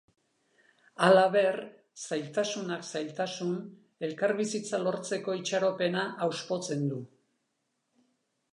Halaber, zailtasunak zailtasun elkarbizitza lortzeko itxaropena hauspotzen du.